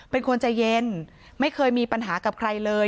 เป็นคนใจเย็นไม่เคยมีปัญหากับใครเลย